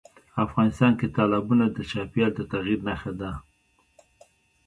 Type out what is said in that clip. افغانستان کې تالابونه د چاپېریال د تغیر نښه ده.